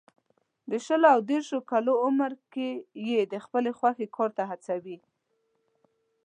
د شلو او دېرشو کالو عمر کې یې د خپلې خوښې کار ته هڅوي.